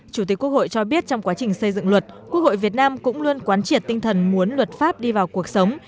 chủ tịch quốc hội cho biết trong quá trình xây dựng luật quốc hội việt nam cũng luôn quán triệt tinh thần muốn luật pháp đi vào cuộc sống